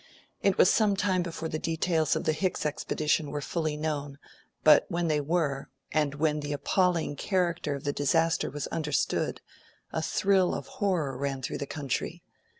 It was some time before the details of the Hicks expedition were fully known, but when they were, and when the appalling character of the disaster was understood, a thrill of horror ran through the country.